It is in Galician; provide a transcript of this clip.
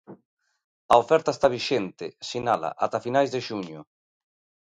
A oferta está vixente, sinala, ata finais de xuño.